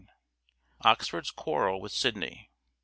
Oxford's quarrel with Sidney.